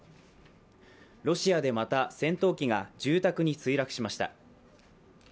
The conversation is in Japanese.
ロシアでまた戦闘機が住宅に墜落しました。